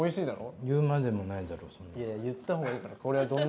言うまでもないじゃん。